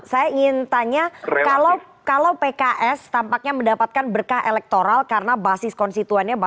saya ingin tanya kalau pks tampaknya mendapatkan berkah elektoral karena basis konstituennya